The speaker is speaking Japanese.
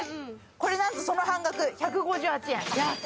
これ何とその半額１５８円。